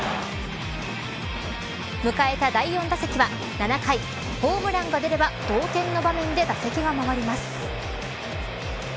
迎えた第４打席は、７回ホームランが出れば同点の場面で打席が回ります。